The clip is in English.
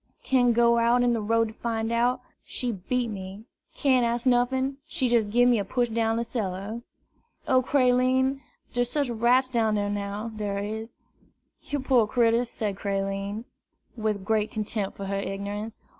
Can' go out in de road to fine out, she beat me. Can' ask nuffin, she jest gib me a push down cellar. O Creline, der's sech rats down dar now, dar is!" "Yer poor critter!" said Creline, with great contempt for her ignorance.